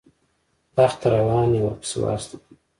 تخت روان یې ورپسې واستاوه.